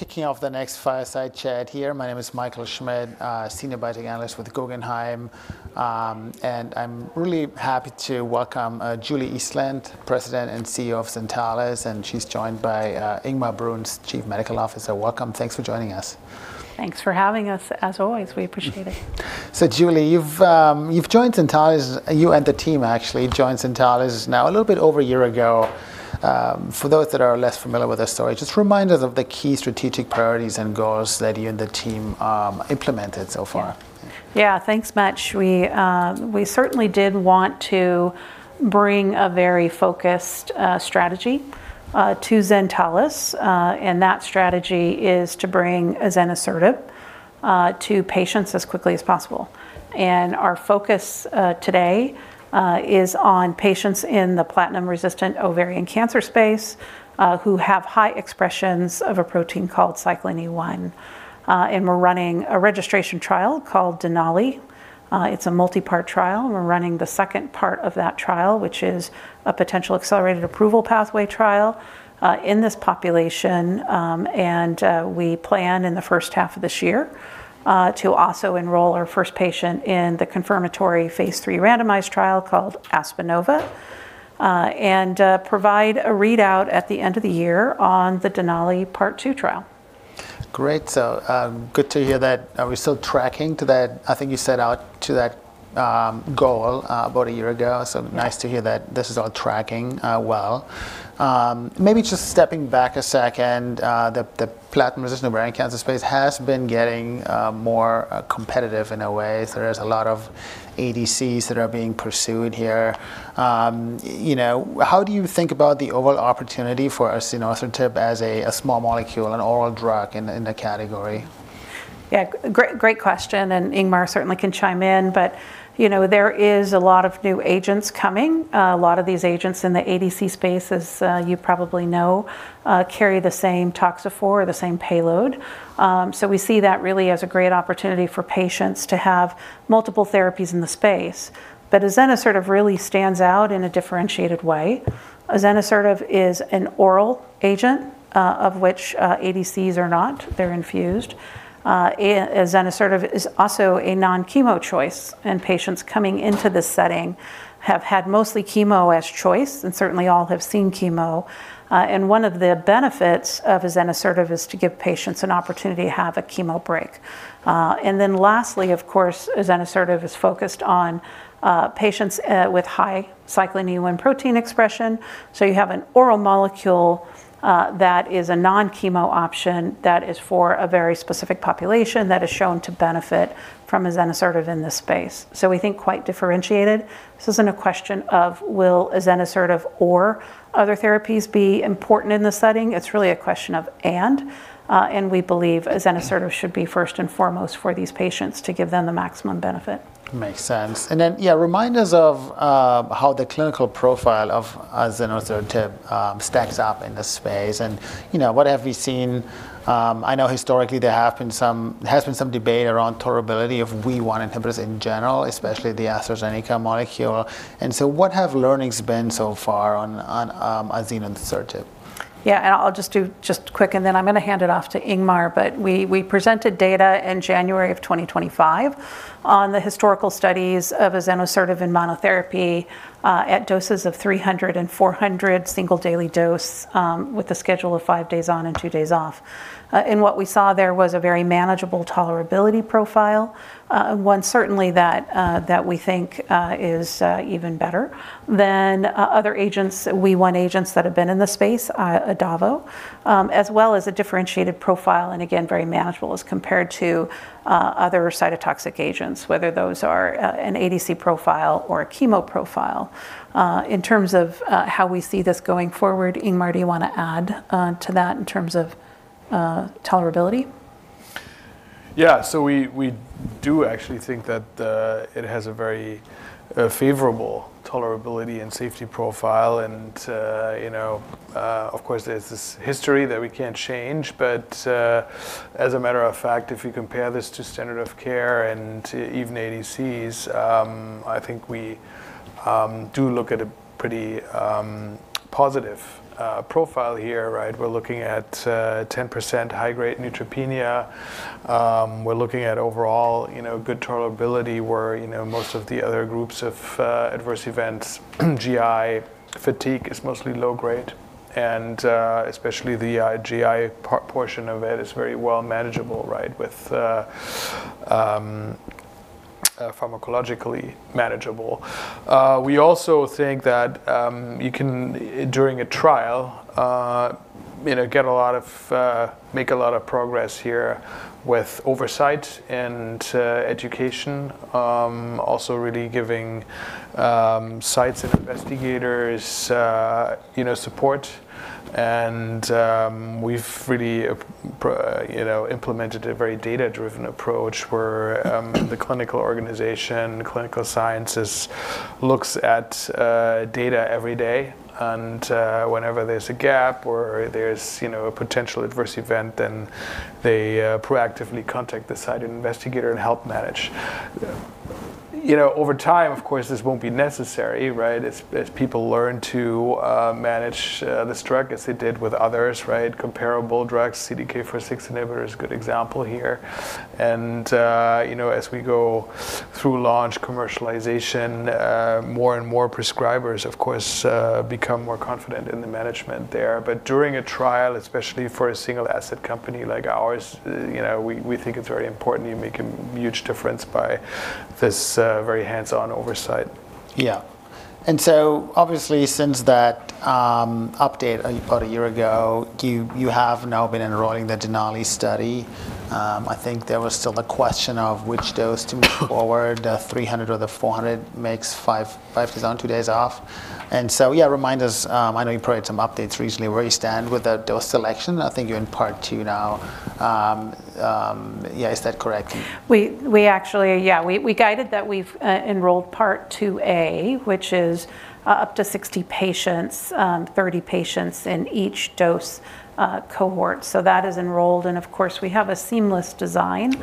Kicking off the next fireside chat here. My name is Michael Schmidt, Senior Biotech Analyst with Guggenheim, and I'm really happy to welcome, Julie Eastland, President and CEO of Zentalis, and she's joined by, Ingmar Bruns, Chief Medical Officer. Welcome. Thanks for joining us. Thanks for having us, as always. We appreciate it. So, Julie, you've joined Zentalis—you and the team, actually, joined Zentalis now a little bit over a year ago. For those that are less familiar with our story, just remind us of the key strategic priorities and goals that you and the team implemented so far. Yeah. Yeah, thanks Mike. We certainly did want to bring a very focused strategy to Zentalis, and that strategy is to bring azenosertib to patients as quickly as possible. Our focus today is on patients in the platinum-resistant ovarian cancer space who have high expressions of a protein called cyclin E1, and we're running a registration trial called DENALI. It's a multi-part trial. We're running the second part of that trial, which is a potential accelerated approval pathway trial, in this population, and we plan in the first half of this year to also enroll our first patient in the confirmatory Phase 3 randomized trial called ASPENOVA, and provide a readout at the end of the year on the DENALI Part 2 trial. Great. So, good to hear that. Are we still tracking to that? I think you set out to that goal about a year ago. So nice to hear that this is all tracking well. Maybe just stepping back a sec, and the platinum-resistant ovarian cancer space has been getting more competitive in a way. So there's a lot of ADCs that are being pursued here. You know, how do you think about the overall opportunity for azenosertib as a small molecule, an oral drug in the category? Yeah, great, great question. And Ingmar certainly can chime in. But, you know, there is a lot of new agents coming. A lot of these agents in the ADC space, as you probably know, carry the same toxophore or the same payload. So we see that really as a great opportunity for patients to have multiple therapies in the space. But azenosertib really stands out in a differentiated way. Azenosertib is an oral agent, of which ADCs are not. They're infused. Azenosertib is also a non-chemo choice. And patients coming into this setting have had mostly chemo as choice and certainly all have seen chemo. And one of the benefits of azenosertib is to give patients an opportunity to have a chemo break. And then lastly, of course, azenosertib is focused on patients with high cyclin E1 protein expression. So you have an oral molecule that is a non-chemo option that is for a very specific population that is shown to benefit from azenosertib in this space. So we think quite differentiated. This isn't a question of will azenosertib or other therapies be important in the setting. It's really a question of and, and we believe azenosertib should be first and foremost for these patients to give them the maximum benefit. Makes sense. And then, yeah, remind us of how the clinical profile of azenosertib stacks up in the space. And, you know, what have we seen? I know historically there have been some, there has been some debate around tolerability of WEE1 inhibitors in general, especially the AstraZeneca molecule. And so what have learnings been so far on, on, azenosertib? Yeah, and I'll just do just quick, and then I'm going to hand it off to Ingmar. But we, we presented data in January of 2025 on the historical studies of azenosertib in monotherapy, at doses of 300 and 400 single daily doses, with a schedule of 5 days on and 2 days off. And what we saw there was a very manageable tolerability profile, one certainly that, that we think, is, even better than, other agents, WEE1 agents that have been in the space, adavo, as well as a differentiated profile and again, very manageable as compared to, other cytotoxic agents, whether those are, an ADC profile or a chemo profile. In terms of, how we see this going forward, Ingmar, do you want to add, to that in terms of, tolerability? Yeah. So we, we do actually think that it has a very favorable tolerability and safety profile. And, you know, of course, there's this history that we can't change. But, as a matter of fact, if you compare this to standard of care and even ADCs, I think we do look at a pretty positive profile here. Right. We're looking at 10% high-grade neutropenia. We're looking at overall, you know, good tolerability where, you know, most of the other groups of adverse events, GI fatigue is mostly low grade, and especially the GI portion of it is very well manageable, right, with pharmacologically manageable. We also think that you can during a trial, you know, get a lot of, make a lot of progress here with oversight and education, also really giving sites and investigators, you know, support. We've really, you know, implemented a very data-driven approach where the clinical organization, clinical sciences looks at data every day. And whenever there's a gap or there's, you know, a potential adverse event, then they proactively contact the site investigator and help manage. You know, over time, of course, this won't be necessary, right, as people learn to manage this drug as they did with others. Right. Comparable drugs, CDK4/6 inhibitor is a good example here. And, you know, as we go through launch commercialization, more and more prescribers, of course, become more confident in the management there. But during a trial, especially for a single asset company like ours, you know, we think it's very important. You make a huge difference by this very hands-on oversight. Yeah. And so obviously, since that update about a year ago, you have now been enrolling the DENALI study. I think there was still the question of which dose to move forward. The 300 or the 400 mg 5 days on, 2 days off. And so, yeah, remind us. I know you provided some updates recently where you stand with the dose selection. I think you're in Part 2 now. Yeah, is that correct? We actually, yeah, we guided that we've enrolled Part 2A, which is up to 60 patients, 30 patients in each dose cohort. So that is enrolled. Of course, we have a seamless design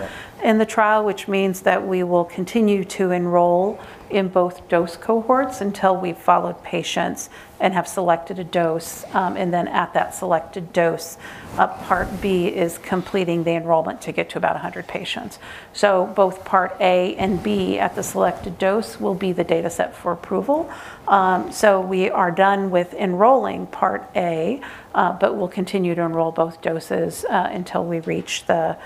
in the trial, which means that we will continue to enroll in both dose cohorts until we've followed patients and have selected a dose. Then at that selected dose, Part B is completing the enrollment to get to about 100 patients. So both Part A and B at the selected dose will be the data set for approval. We are done with enrolling Part A, but we'll continue to enroll both doses until we reach the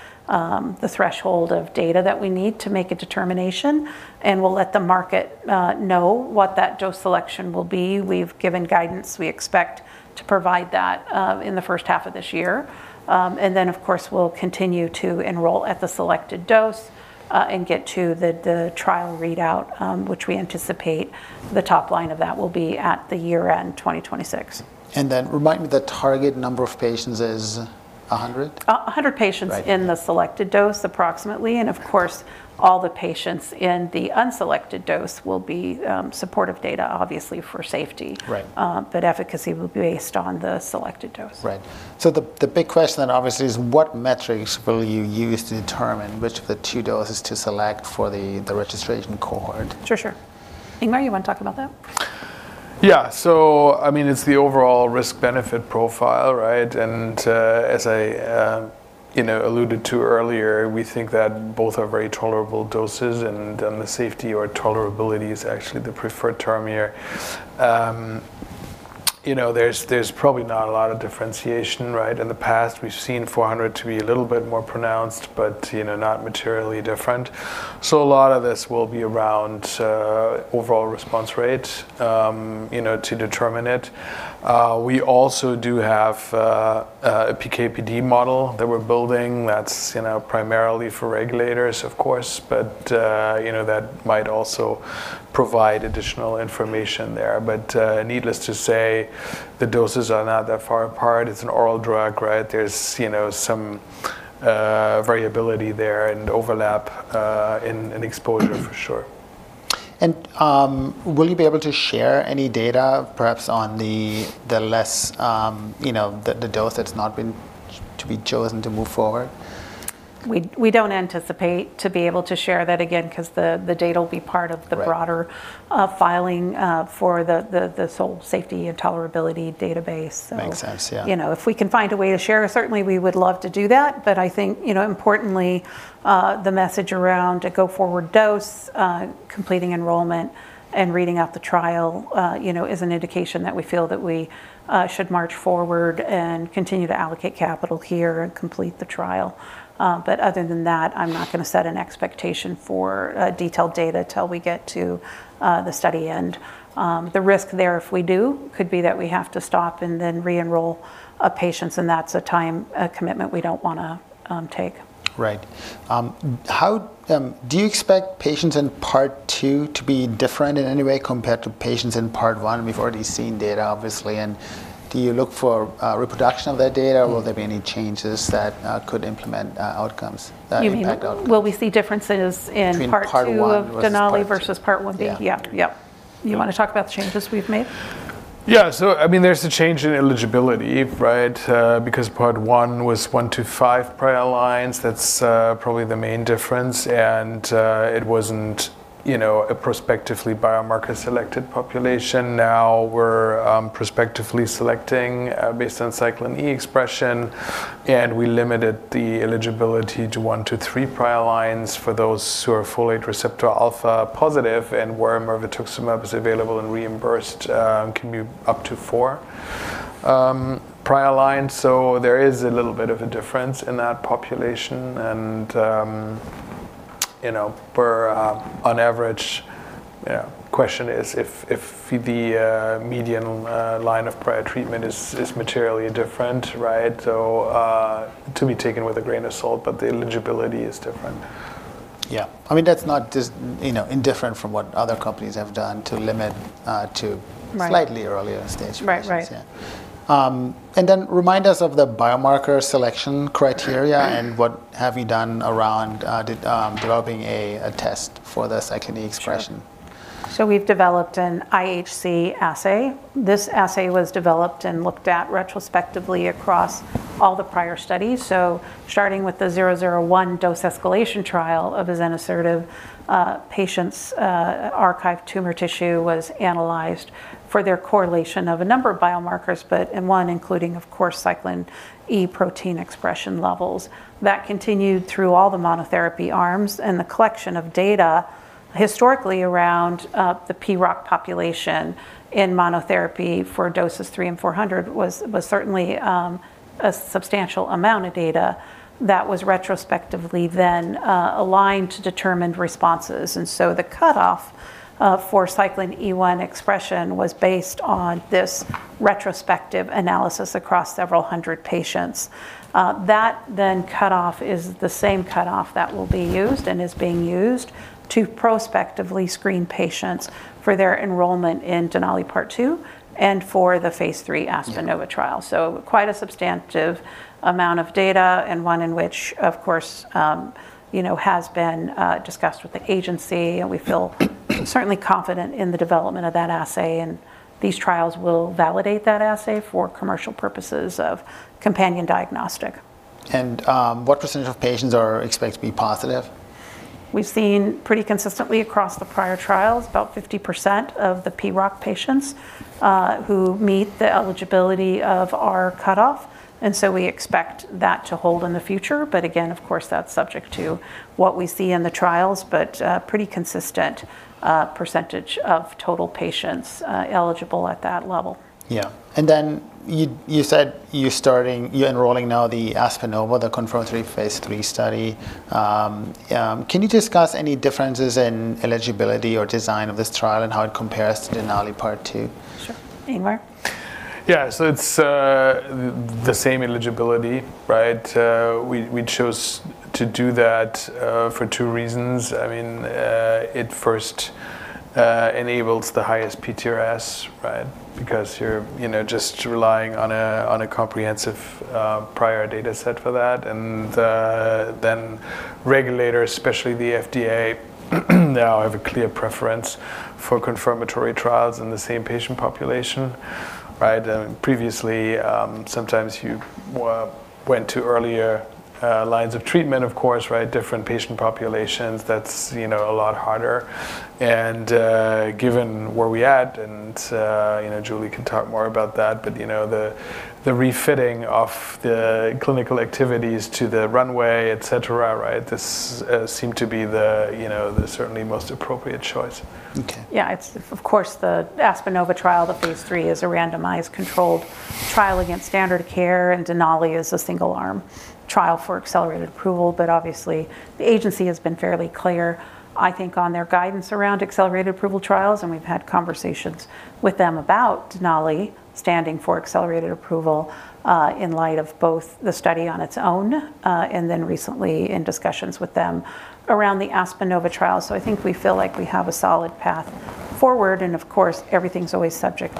threshold of data that we need to make a determination. We'll let the market know what that dose selection will be. We've given guidance. We expect to provide that in the first half of this year, and then, of course, we'll continue to enroll at the selected dose, and get to the trial readout, which we anticipate the top line of that will be at year-end 2026. And then remind me the target number of patients is 100? 100 patients in the selected dose approximately. Of course, all the patients in the unselected dose will be supportive data, obviously, for safety. Right. But efficacy will be based on the selected dose. Right. So the big question then obviously is what metrics will you use to determine which of the two doses to select for the registration cohort? Sure, sure. Ingmar, you want to talk about that? Yeah. So, I mean, it's the overall risk-benefit profile. Right. And, as I, you know, alluded to earlier, we think that both are very tolerable doses. And, the safety or tolerability is actually the preferred term here. You know, there's, there's probably not a lot of differentiation. Right. In the past, we've seen 400 to be a little bit more pronounced, but, you know, not materially different. So a lot of this will be around, overall response rate, you know, to determine it. We also do have, a PKPD model that we're building that's, you know, primarily for regulators, of course, but, you know, that might also provide additional information there. But, needless to say, the doses are not that far apart. It's an oral drug. Right. There's, you know, some, variability there and overlap, in, in exposure for sure. Will you be able to share any data, perhaps on the less, you know, the dose that's not been to be chosen to move forward? We don't anticipate to be able to share that again because the data will be part of the broader filing for the whole safety and tolerability database. Makes sense. Yeah. You know, if we can find a way to share, certainly we would love to do that. But I think, you know, importantly, the message around a go forward dose, completing enrollment and reading out the trial, you know, is an indication that we feel that we should march forward and continue to allocate capital here and complete the trial. Other than that, I'm not going to set an expectation for detailed data till we get to the study end. The risk there, if we do, could be that we have to stop and then re-enroll patients. That's a time, a commitment we don't want to take. Right. How do you expect patients in Part 2 to be different in any way compared to patients in Part 1? We've already seen data, obviously. Do you look for reproduction of that data? Will there be any changes that could implement outcomes that impact outcomes? You mean will we see differences in Part 2 of DENALI versus Part 1? Yeah. Yeah. You want to talk about the changes we've made? Yeah. So, I mean, there's a change in eligibility. Right. Because Part 1 was 1-5 prior lines. That's, probably the main difference. And, it wasn't, you know, a prospectively biomarker selected population. Now we're, prospectively selecting, based on cyclin E expression. And we limited the eligibility to 1-3 prior lines for those who are folate receptor alpha positive and where mirvetuximab soravtansine is available and reimbursed, can be up to 4 prior lines. So there is a little bit of a difference in that population. And, you know, we're, on average, you know, question is if, if the, median, line of prior treatment is, is materially different. Right. So, to be taken with a grain of salt, but the eligibility is different. Yeah. I mean, that's not just, you know, different from what other companies have done to limit, to slightly earlier stages. Right. Right. Yeah. And then remind us of the biomarker selection criteria and what have you done around developing a test for the cyclin E expression? Sure. So we've developed an IHC assay. This assay was developed and looked at retrospectively across all the prior studies. So starting with the 001 dose escalation trial of azenosertib, patients' archived tumor tissue was analyzed for their correlation of a number of biomarkers, but in one, including, of course, cyclin E protein expression levels that continued through all the monotherapy arms. And the collection of data historically around the PROC population in monotherapy for doses 300 and 400 was certainly a substantial amount of data that was retrospectively then aligned to determine responses. And so the cutoff for cyclin E1 expression was based on this retrospective analysis across several hundred patients. That then cutoff is the same cutoff that will be used and is being used to prospectively screen patients for their enrollment in DENALI part 2 and for the phase 3 Aspenova trial. Quite a substantive amount of data, and one in which, of course, you know, has been discussed with the agency. We feel certainly confident in the development of that assay. These trials will validate that assay for commercial purposes of companion diagnostic. What percentage of patients are expected to be positive? We've seen pretty consistently across the prior trials, about 50% of the PROC patients, who meet the eligibility of our cutoff. And so we expect that to hold in the future. But again, of course, that's subject to what we see in the trials, but, pretty consistent, percentage of total patients, eligible at that level. Yeah. And then you said you're starting, you're enrolling now the ASPENOVA, the confirmatory phase 3 study. Can you discuss any differences in eligibility or design of this trial and how it compares to DENALI Part 2? Sure. Ingmar? Yeah. So it's the same eligibility. Right. We chose to do that for two reasons. I mean, it first enables the highest PTRS. Right. Because you're, you know, just relying on a comprehensive prior data set for that. And then regulators, especially the FDA, now have a clear preference for confirmatory trials in the same patient population. Right. And previously, sometimes you went to earlier lines of treatment, of course. Right. Different patient populations. That's, you know, a lot harder. And given where we at and, you know, Julie can talk more about that. But you know, the refitting of the clinical activities to the runway, etc. Right. This seemed to be the, you know, the certainly most appropriate choice. Okay. Yeah. It's, of course, the ASPENOVA trial, the phase 3 is a randomized controlled trial against standard-of-care. And DENALI is a single-arm trial for accelerated approval. But obviously, the agency has been fairly clear, I think, on their guidance around accelerated approval trials. And we've had conversations with them about DENALI standing for accelerated approval, in light of both the study on its own, and then recently in discussions with them around the ASPENOVA trial. So I think we feel like we have a solid path forward. And of course, everything's always subject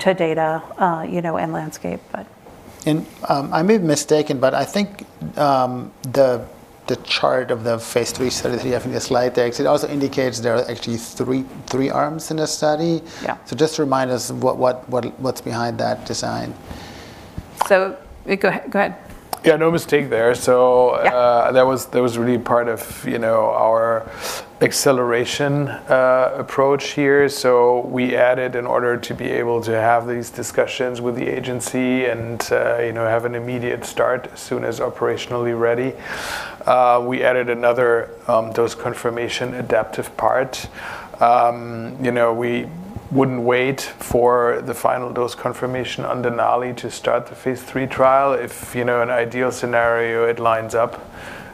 to data, you know, and landscape. But. I may be mistaken, but I think the chart of the phase three study that you have in your slide there, because it also indicates there are actually three arms in this study. Yeah. So just remind us what's behind that design. Go ahead. Go ahead. Yeah. No mistake there. So, that was, that was really part of, you know, our acceleration approach here. So we added in order to be able to have these discussions with the agency and, you know, have an immediate start as soon as operationally ready. We added another dose confirmation adaptive part. You know, we wouldn't wait for the final dose confirmation on DENALI to start the phase 3 trial if, you know, in an ideal scenario, it lines up.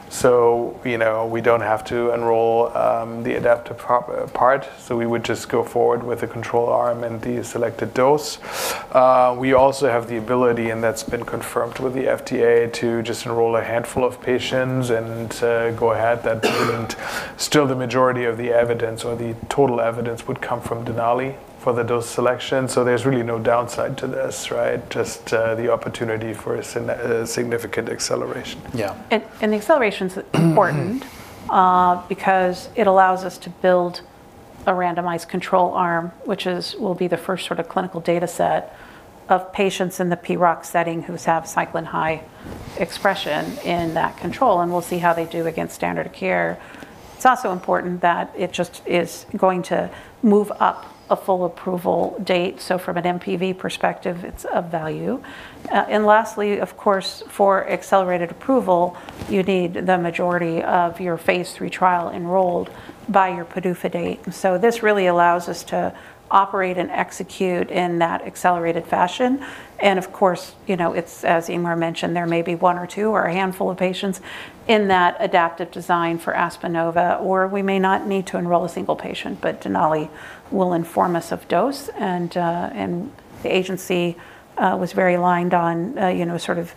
So, you know, we don't have to enroll the adaptive part. So we would just go forward with the control arm and the selected dose. We also have the ability, and that's been confirmed with the FDA, to just enroll a handful of patients and go ahead. That wouldn't still the majority of the evidence or the total evidence would come from DENALI for the dose selection. So there's really no downside to this. Right. Just, the opportunity for a significant acceleration. Yeah. And the acceleration is important, because it allows us to build a randomized control arm, which will be the first sort of clinical data set of patients in the PROC setting who have cyclin high expression in that control, and we'll see how they do against standard care. It's also important that it just is going to move up a full approval date. So from an NPV perspective, it's of value. And lastly, of course, for accelerated approval, you need the majority of your phase 3 trial enrolled by your PDUFA date. And so this really allows us to operate and execute in that accelerated fashion. Of course, you know, it's, as Ingmar mentioned, there may be one or two or a handful of patients in that adaptive design for ASPENOVA, or we may not need to enroll a single patient, but DENALI will inform us of dose. The agency was very aligned on, you know, sort of,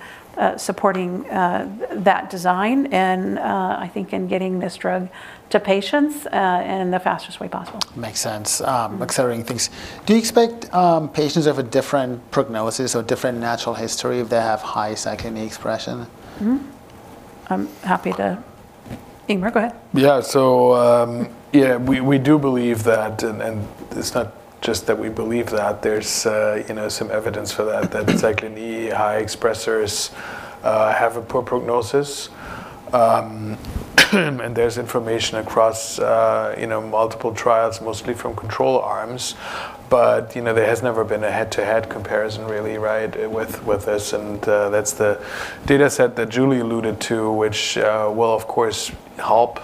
supporting that design. I think in getting this drug to patients in the fastest way possible. Makes sense. Accelerating things. Do you expect patients who have a different prognosis or different natural history if they have high cyclin E expression? Mm-hmm. I'm happy to. Ingmar, go ahead. Yeah. So, yeah, we do believe that. And it's not just that we believe that. There's, you know, some evidence for that, that cyclin E high expressors have a poor prognosis. And there's information across, you know, multiple trials, mostly from control arms. But, you know, there has never been a head-to-head comparison, really. Right. With this. And that's the data set that Julie alluded to, which will, of course, help,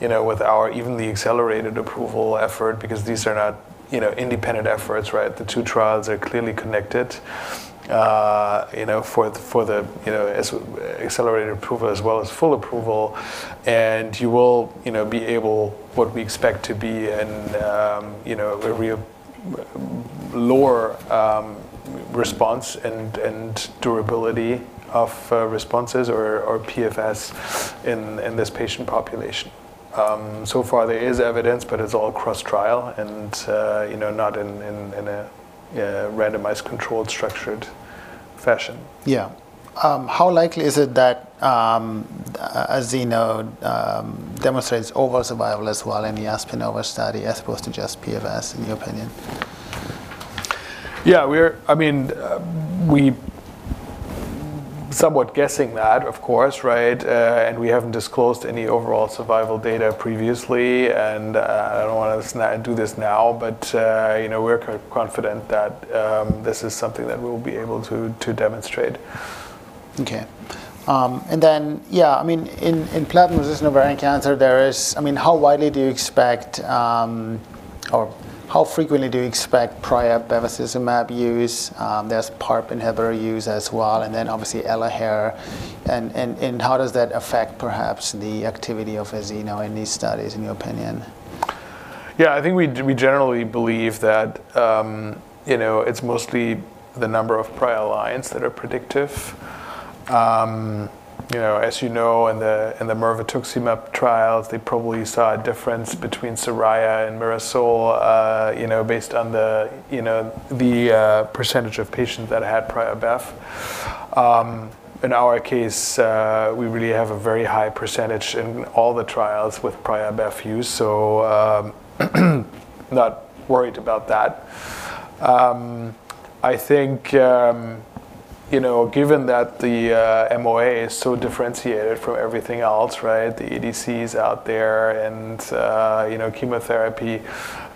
you know, with our even the accelerated approval effort, because these are not, you know, independent efforts. Right. The two trials are clearly connected, you know, for the, for the, you know, as accelerated approval as well as full approval. And you will, you know, be able what we expect to be an, you know, a real lower response and durability of responses or PFS in this patient population. So far, there is evidence, but it's all cross trial and, you know, not in a randomized controlled structured fashion. Yeah. How likely is it that, as you know, demonstrates overall survival as well in the ASPENOVA study as opposed to just PFS, in your opinion? Yeah. We're, I mean, we're somewhat guessing that, of course. Right. And we haven't disclosed any overall survival data previously. And, I don't want to do this now, but, you know, we're confident that this is something that we will be able to demonstrate. Okay. And then, yeah, I mean, in platinum-resistant ovarian cancer, there is, I mean, how widely do you expect, or how frequently do you expect prior bevacizumab use? There's PARP inhibitor use as well. And then obviously Elahere. And how does that affect perhaps the activity of azenosertib in these studies, in your opinion? Yeah. I think we, we generally believe that, you know, it's mostly the number of prior lines that are predictive. You know, as you know, in the mirvetuximab trials, they probably saw a difference between SORAYA and MIRASOL, you know, based on the percentage of patients that had prior Bev. In our case, we really have a very high percentage in all the trials with prior Bev use. So, not worried about that. I think, you know, given that the MOA is so differentiated from everything else. Right. The ADC is out there and, you know, chemotherapy,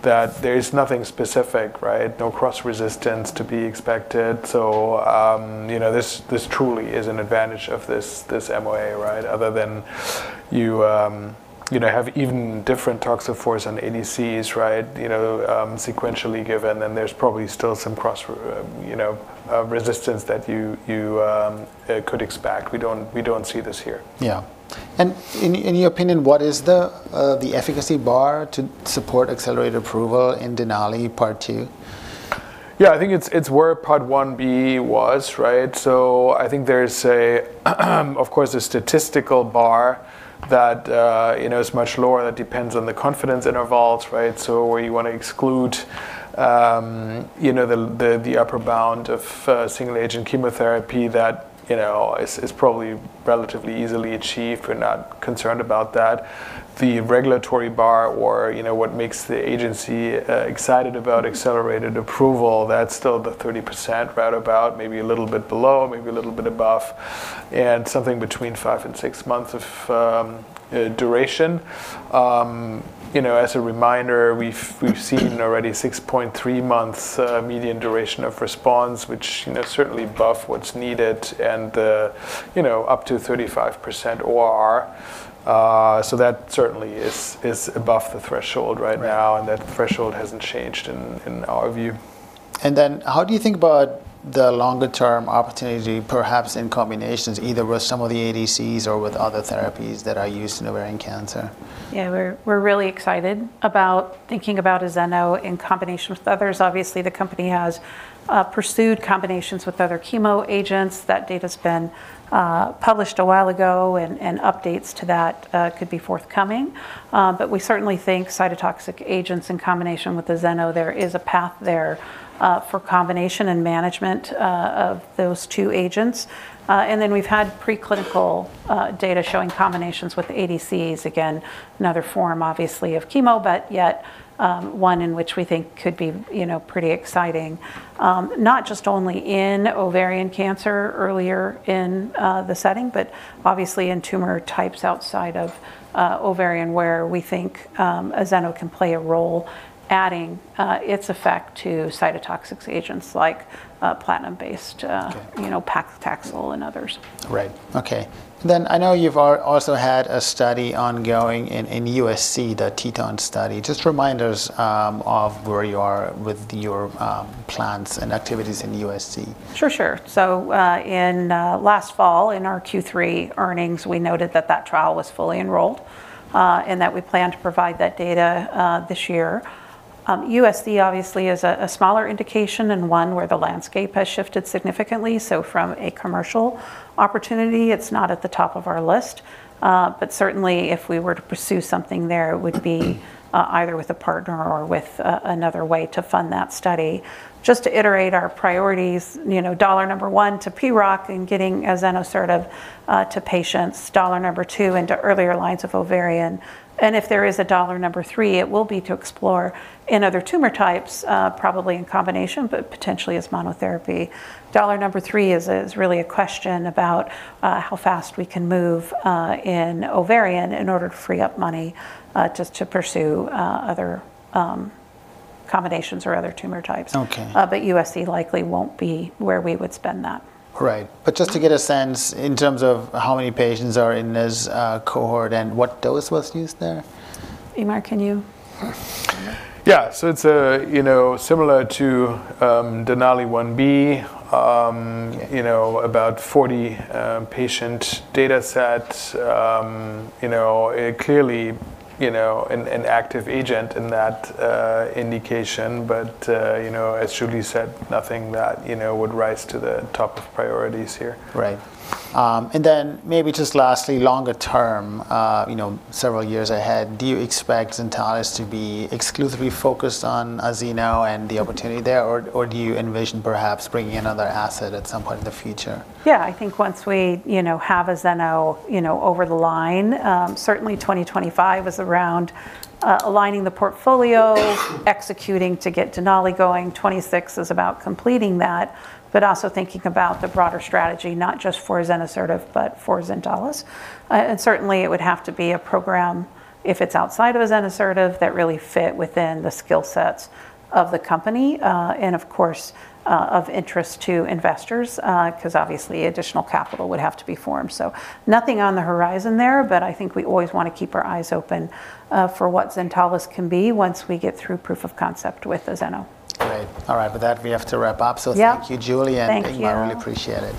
that there's nothing specific. Right. No cross resistance to be expected. So, you know, this truly is an advantage of this MOA. Right. Other than you, you know, have even different toxophores on ADCs. Right. You know, sequentially given. There's probably still some cross, you know, resistance that you could expect. We don't see this here. Yeah. And in your opinion, what is the efficacy bar to support accelerated approval in DENALI Part 2? Yeah. I think it's where Part1 B was. Right. So I think there's, of course, a statistical bar that, you know, is much lower. That depends on the confidence intervals. Right. So where you want to exclude, you know, the upper bound of single agent chemotherapy that, you know, is probably relatively easily achieved. We're not concerned about that. The regulatory bar or, you know, what makes the agency excited about accelerated approval, that's still the 30% ORR, right? About maybe a little bit below, maybe a little bit above, and something between 5 and 6 months of duration. You know, as a reminder, we've seen already 6.3 months median duration of response, which, you know, certainly above what's needed and, you know, up to 35% ORR. So that certainly is above the threshold right now. That threshold hasn't changed in our view. And then how do you think about the longer term opportunity, perhaps in combinations either with some of the ADCs or with other therapies that are used in ovarian cancer? Yeah. We're really excited about thinking about azenosertib in combination with others. Obviously, the company has pursued combinations with other chemo agents. That data's been published a while ago, and updates to that could be forthcoming. But we certainly think cytotoxic agents in combination with azenosertib; there is a path there for combination and management of those two agents. And then we've had preclinical data showing combinations with ADCs, again, another form, obviously, of chemo, but yet one in which we think could be, you know, pretty exciting, not just only in ovarian cancer earlier in the setting, but obviously in tumor types outside of ovarian where we think azenosertib can play a role adding its effect to cytotoxic agents like platinum-based, you know, paclitaxel and others. Right. Okay. And then I know you've also had a study ongoing in USC, the TETON study. Just reminders of where you are with your plans and activities in USC. Sure, sure. So, in last fall in our Q3 earnings, we noted that that trial was fully enrolled, and that we plan to provide that data this year. USC obviously is a smaller indication and one where the landscape has shifted significantly. So from a commercial opportunity, it's not at the top of our list. But certainly if we were to pursue something there, it would be either with a partner or with another way to fund that study. Just to iterate our priorities, you know, priority number one to PROC and getting azenosertib sort of to patients, priority number two into earlier lines of ovarian. And if there is a priority number three, it will be to explore in other tumor types, probably in combination, but potentially as monotherapy. Dollar number three is really a question about how fast we can move in ovarian in order to free up money just to pursue other combinations or other tumor types. Okay. but USC likely won't be where we would spend that. Right. But just to get a sense in terms of how many patients are in this cohort and what dose was used there? Ingmar, can you? Yeah. So it's a, you know, similar to DENALI 1B, you know, about 40 patient data set. You know, clearly, you know, an active agent in that indication. But, you know, as Julie said, nothing that, you know, would rise to the top of priorities here. Right. And then maybe just lastly, longer term, you know, several years ahead, do you expect Zentalis to be exclusively focused on azeno and the opportunity there, or, or do you envision perhaps bringing another asset at some point in the future? Yeah. I think once we, you know, have azeno, you know, over the line, certainly 2025 is around aligning the portfolio, executing to get DENALI going. 2026 is about completing that, but also thinking about the broader strategy, not just for azenosertib, but for Zentalis. And certainly it would have to be a program if it's outside of azenosertib that really fit within the skill sets of the company, and of course, of interest to investors, because obviously additional capital would have to be formed. So nothing on the horizon there. But I think we always want to keep our eyes open for what Zentalis can be once we get through proof of concept with azeno. Great. All right. With that, we have to wrap up. Thank you, Julie and Ingmar. I really appreciate it.